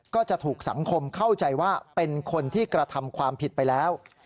ก็จะถูกสังคมเข้าใจว่าเป็นคนที่กระทำความผิดไปแล้ว